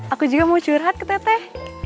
aku juga mau curhat ke teteh